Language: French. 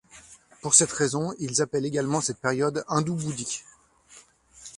Pour cette raison, ils appellent également cette période hindou-bouddhique.